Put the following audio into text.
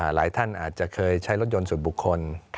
หลายท่านอาจจะเคยใช้รถยนต์ส่วนบุคคล